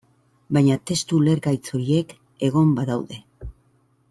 Baina testu ulergaitz horiek egon badaude.